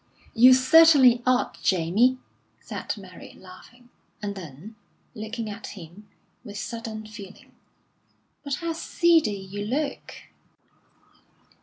"You certainly ought, Jamie," said Mary, laughing; and then, looking at him, with sudden feeling: "But how seedy you look!"